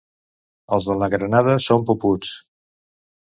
Els de la Granada són puputs.